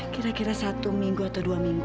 kira kira satu minggu atau dua minggu